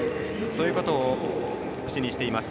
そういうことを口にしています。